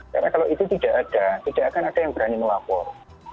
karena kalau itu tidak ada tidak akan ada yang berani melapor